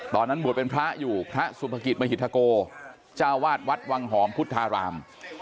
ตอนนั้นบวชเป็นพระอยู่พระสุภกิจมหิธโกจ้าวาดวัดวังหอมพุทธาราม